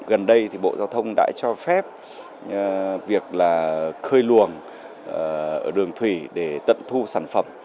gần đây thì bộ giao thông đã cho phép việc là khơi luồng đường thủy để tận thu sản phẩm